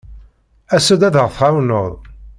As-d ad aɣ-tɛawneḍ.